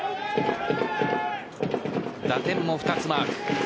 打点も２つマーク。